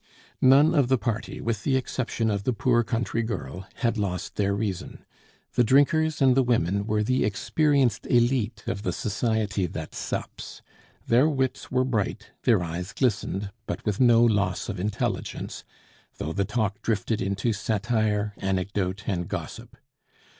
None of the party, with the exception of the poor country girl, had lost their reason; the drinkers and the women were the experienced elite of the society that sups. Their wits were bright, their eyes glistened, but with no loss of intelligence, though the talk drifted into satire, anecdote, and gossip.